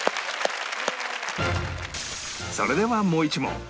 それではもう１問